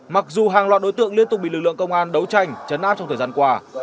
mặc dù hàng loạt đối tượng liên tục bị lực lượng công an đấu tranh chấn áp trong thời gian qua